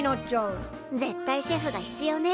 絶対シェフが必要ね。